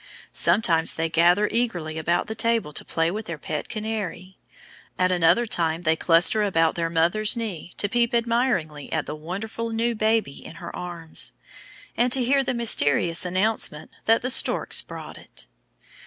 Sometimes they gather eagerly about the table to play with their Pet Canary; at another time they cluster about their mother's knee to peep admiringly at the wonderful new baby in her arms, and to hear the mysterious announcement that The Storks Brought It.